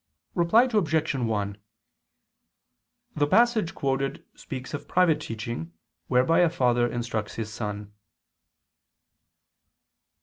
Reply Obj. 1: The passage quoted speaks of private teaching whereby a father instructs his son.